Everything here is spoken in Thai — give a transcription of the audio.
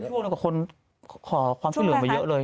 ช่วงนั้นกับคนขอความช่วยเหลือมาเยอะเลย